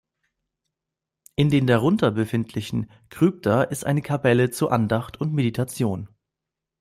In der darunter befindlichen Krypta ist eine Kapelle zur Andacht und Meditation.